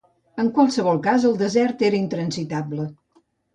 En qualsevol cas, el desert era intransitable.